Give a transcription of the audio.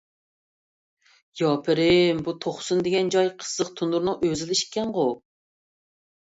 يا پىرىم، بۇ توقسۇن دېگەن جاي قىزىق تونۇرنىڭ ئۆزىلا ئىكەنغۇ.